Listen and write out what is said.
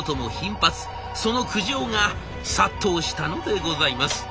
その苦情が殺到したのでございます。